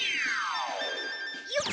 よっ！